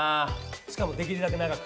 しかもできるだけ長く。